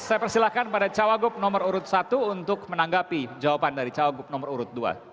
saya persilahkan pada cawagup nomor urut satu untuk menanggapi jawaban dari cawagup nomor urut dua